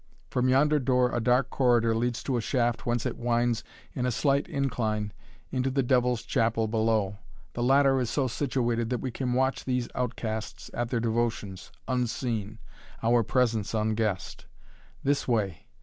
From yonder door a dark corridor leads to a shaft whence it winds in a slight incline into the devil's chapel below. The latter is so situated that we can watch these outcasts at their devotions, unseen, our presence unguessed. This way!